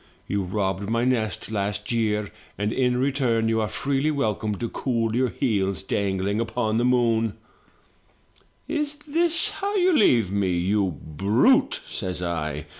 You robbed my nest last year and in return you are freely welcome to cool your heels dangling upon the moon/ *Is this how you leave me, you brute, you?* says I.